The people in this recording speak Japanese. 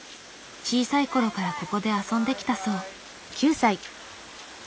小さい頃からここで遊んできたそう。